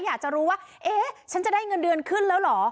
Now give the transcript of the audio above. อยากจะรู้ว่าเอ๊ะฉันจะได้เงินเดือนขึ้นแล้วเหรอ